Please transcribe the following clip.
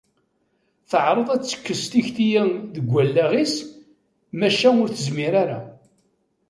Teεreḍ ad tekkes tikti-a deg wallaɣ-is, maca ur tezmir ara.